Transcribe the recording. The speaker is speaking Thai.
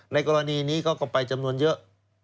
ในกรณีนี้เขาก็ไปจำนวนเยอะ